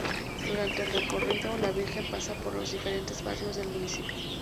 Durante el recorrido, la Virgen pasa por los diferentes barrios del municipio.